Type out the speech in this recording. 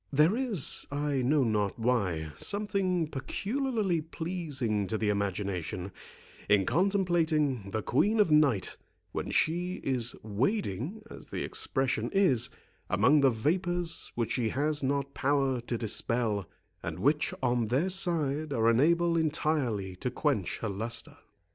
There is, I know not why, something peculiarly pleasing to the imagination, in contemplating the Queen of Night, when she is wading, as the expression is, among the vapours which she has not power to dispel, and which on their side are unable entirely to quench her lustre.